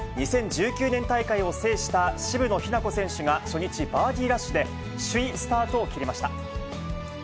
２０１９年大会を制した渋野日向子選手が、初日バーディーラッシュで、首位スタートを切りました。